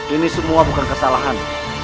ini semua bukan kesalahan